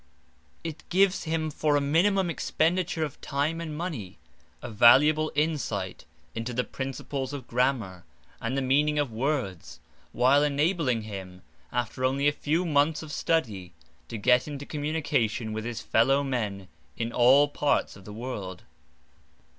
It gives him for a minimum expenditure of time and money a valuable insight into the principles of grammar and the meaning of words, while enabling him, after only a few months of study, to get into communication with his fellow men in all parts of the world.